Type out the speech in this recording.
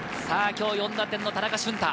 今日４打点の田中俊太。